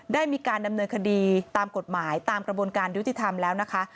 ได้มีการดำเนินคดีตามกฎหมายตามกระบวนการยุติธรรมแล้วนะคะ